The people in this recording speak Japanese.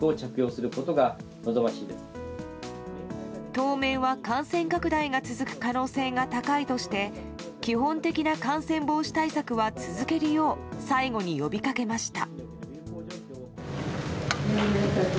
当面は感染拡大が続く可能性が高いとして基本的な感染防止対策は続けるよう最後に呼びかけました。